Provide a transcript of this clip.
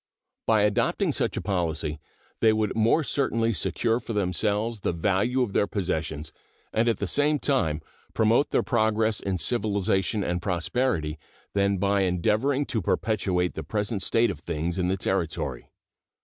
By adopting such a policy they would more certainly secure for themselves the value of their possessions, and at the same time promote their progress in civilization and prosperity, than by endeavoring to perpetuate the present state of things in the Territory.